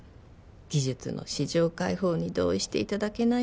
技術の市場開放に同意していただけない